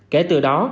kể từ đó